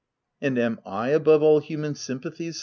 " And am I above all human sympathies